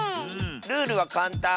ルールはかんたん！